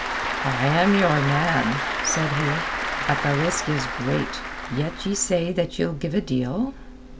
"I am your man," said he. "But the risk is great. Yet ye say that ye'ld give a deal...."